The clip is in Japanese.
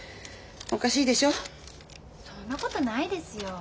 そんなことないですよ。